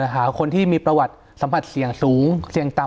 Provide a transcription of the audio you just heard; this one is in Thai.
หาคนที่มีประวัติสัมผัสเสี่ยงสูงเสี่ยงต่ำ